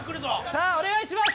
さあお願いします！